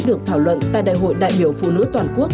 được thảo luận tại đại hội đại biểu phụ nữ toàn quốc